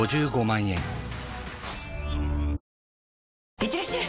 いってらっしゃい！